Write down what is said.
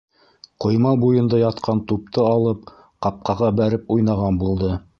Ҡойма буйында ятҡан тупты алып, ҡапҡаға бәреп уйнаған булды.